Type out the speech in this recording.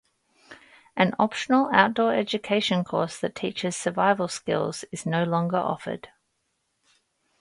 An optional outdoor education course that teaches survival skills is no longer offered.